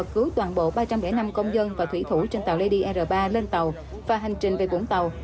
cứu toàn bộ ba trăm linh năm công dân và thủy thủ trên tàu ld ba lên tàu và hành trình về vũng tàu